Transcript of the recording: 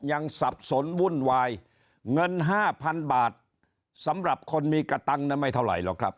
สับสนวุ่นวายเงินห้าพันบาทสำหรับคนมีกระตังค์นั้นไม่เท่าไหร่หรอกครับ